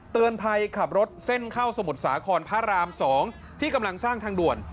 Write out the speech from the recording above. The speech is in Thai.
เตือนภัยขับรถเส้นเข้าสมุทรสาครพระราม๒ที่กำลังสร้างทางด่วน